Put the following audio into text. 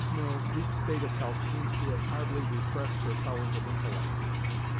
Mill's weak state of health seems to have hardly repressed her powers of intellect.